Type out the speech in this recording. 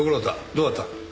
どうだった？